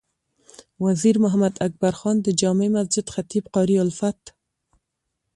وزیر محمد اکبر خان د جامع مسجد خطیب قاري الفت،